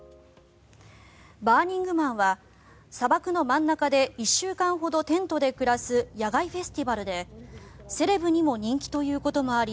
バーニングマンは砂漠の真ん中で１週間ほどテントで暮らす野外フェスティバルでセレブにも人気ということもあり